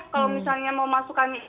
kalau misalnya mau masukkan